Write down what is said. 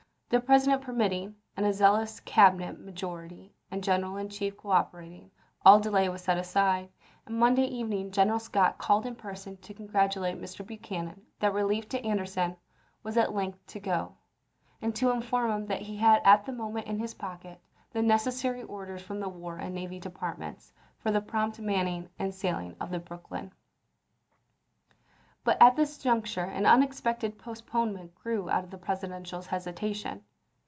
The President permitting, and a zealous Cabinet major ity and General in Chief cooperating, all delay was set aside^ and Monday evening General Scott called THE "STAK OF THE WEST" 91 in person to congratulate Mr. Buchanan that relief chap. vii. to Anderson was at length to go, and to inform him that he had at that moment in his pocket the nec essary orders from the War and Navy Departments 'LS^f a£ for the prompt manning and sailing of the Brooklyn, tfon/'p. m But at this juncture an unexpected postponement grew out of the President's hesitation.